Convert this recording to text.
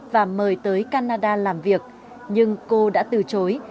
và mời tới canada làm việc nhưng cô đã từ chối